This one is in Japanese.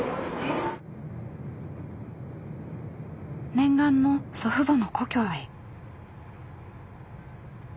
念願の祖父母の故郷へ。